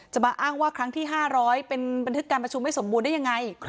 มาอ้างว่าครั้งที่๕๐๐เป็นบันทึกการประชุมไม่สมบูรณ์ได้ยังไง